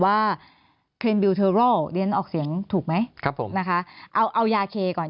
ว่าเครนบิลเทอร์โรลเรียนออกเสียงถูกไหมครับผมนะคะเอาเอายาเคก่อน